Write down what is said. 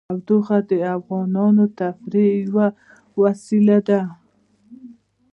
تودوخه د افغانانو د تفریح یوه وسیله ده.